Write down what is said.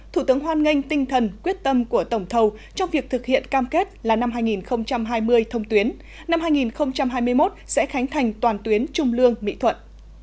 thủ tướng hoan nghênh tinh thần quyết tâm của tổng thầu trong việc thực hiện cam kết là năm hai nghìn hai mươi thông tuyến năm hai nghìn hai mươi một sẽ khánh thành toàn tuyến trung lương mỹ thuận